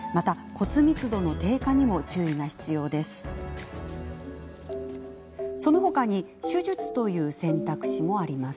骨密度の低下にも注意が必要です。